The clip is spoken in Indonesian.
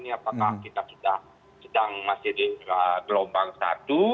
apakah kita sedang masih di gelombang satu